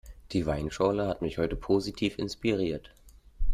Die Weinschorle hat mich heute positiv inspiriert.